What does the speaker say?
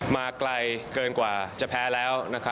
มาไกลเกินกว่าจะแพ้แล้ว